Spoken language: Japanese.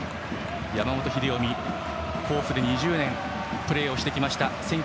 山本英臣、甲府で２０年プレーしてきました。